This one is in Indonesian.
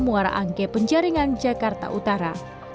muara angke penjaringan jakarta utara